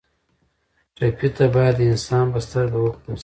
ټپي ته باید د انسان په سترګه وکتل شي.